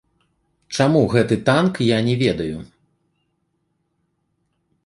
Чаму гэты танк, я не ведаю.